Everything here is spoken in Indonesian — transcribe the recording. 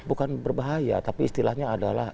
bukan berbahaya tapi istilahnya adalah